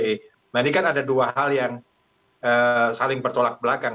nah ini kan ada dua hal yang saling bertolak belakang